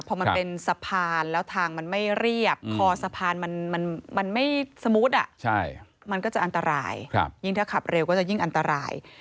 พอมันเป็นสะพานแล้วทางมันไม่เรียบคอสะพานมันไม่สมูทมันก็จะอันตรายยิ่งถ้าขับเร็วก็จะยิ่งอันตราย